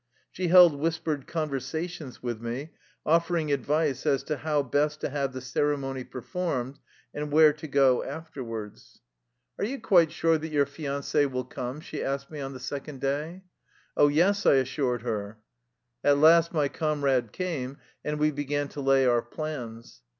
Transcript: She held whispered conversations with me, offering advice as to how best to have the ceremony performed and where to go afterwards. 234 THE LIFE STOEY OF A EUSSIAN EXILE "Are you quite sure that your fiance will come? " she asked me on the second day. " Oh, yes/' I assured her. At last my comrade came, and we began to lay our plans.